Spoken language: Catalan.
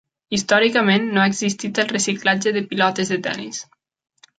Històricament, no ha existit el reciclatge de pilotes de tennis.